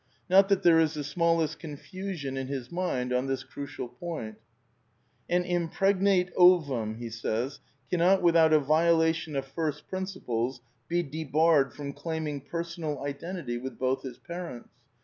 N'ot that there is the smallest confusion in his mind on this crucial point :"... an impregnate ovum cannot without a violation of first principles be debarred from claiming personal identity with both its parents.